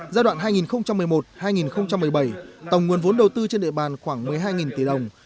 giai đoạn hai nghìn một mươi một hai nghìn một mươi bảy tổng nguồn vốn đầu tư trên địa bàn khoảng một mươi hai tỷ đồng